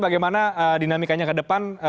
bagaimana dinamikanya ke depan